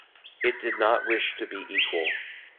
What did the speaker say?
It did not wish to be equal.